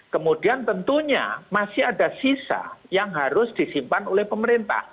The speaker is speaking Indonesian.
kemudian tentunya masih ada sisa yang harus disimpan oleh pemerintah